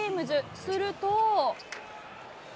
すると。